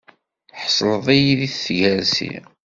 Tḥesleḍ-iyi di tgersi.